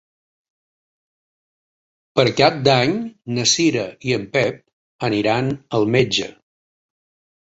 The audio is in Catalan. Per Cap d'Any na Cira i en Pep aniran al metge.